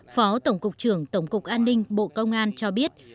phó tổng cục trưởng tổng cục an ninh bộ công an cho biết